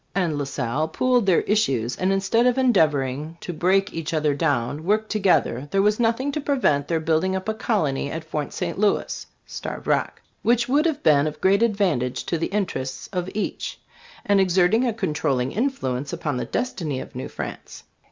] and La Salle pooled their issues, and instead of endeavoring to break each other down worked together, there was nothing to prevent their building up a colony at Fort St, Louis [Starved Rock] which would have been of great advantage to the interests of each, and exerted a controlling influence upon the destiny of New France.